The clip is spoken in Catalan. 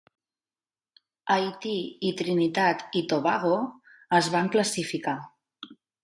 Haití i Trinitat i Tobago es van classificar.